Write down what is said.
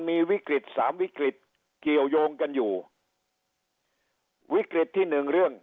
มีวิกฤตสามวิกฤตเกี่ยวยงกันอยู่วิกฤตที่หนึ่งเรื่อง